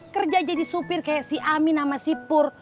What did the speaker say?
kerja jadi supir kayak si amin sama si pur